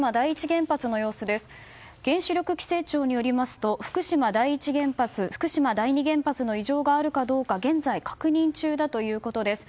原子力規制庁によりますと福島第一原発、福島第二原発に異常があるかどうか現在、確認中だということです。